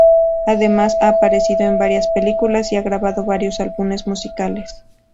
Además ha aparecido en varias películas y ha grabado varios álbumes musicales.